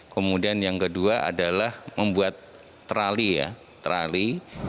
kemudian yang kedua adalah membuat trali